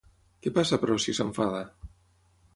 Què passa, però, si s'enfada?